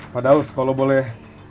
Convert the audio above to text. pak firdaus kalau boleh